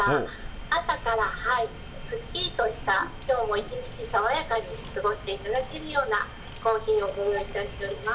朝からすっきりとした、きょうも一日、爽やかに過ごしていただけるようなコーヒーをご用意いたしております。